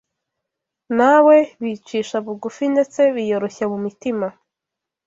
nawe bicisha bugufi ndetse biyoroshya mu mitima